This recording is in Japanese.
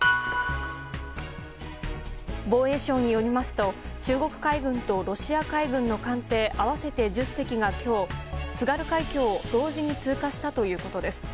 防衛省によりますと中国海軍とロシア海軍の艦艇合わせて１０隻が今日、津軽海峡を同時に通過したということです。